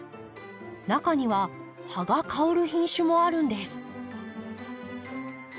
中には葉が香る品種もあるんです。